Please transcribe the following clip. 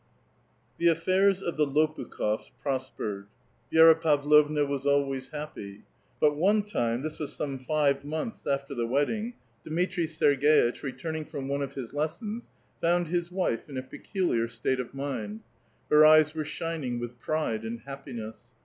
The affairs of the Lopukh6fs prospered. Vi^ra Pavlovna was always happy. But one time (this wns some five months after the wedding) Dmitri Serg^itch, returning from one of his lessons, found his wife in a peculiar state of mind. Her eyes were shining with pride and happiness.